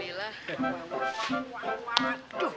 tidak ada yang bisa dikira